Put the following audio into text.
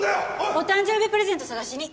お誕生日プレゼントを捜しに。